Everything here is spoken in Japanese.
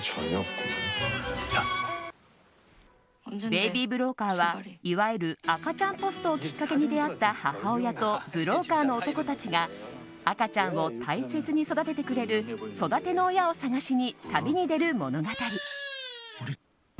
「ベイビー・ブローカー」は赤ちゃんポストをきっかけに出会った母親とブローカーの男たちが赤ちゃんを大切に育ててくれる育ての親を探しに旅に出る物語。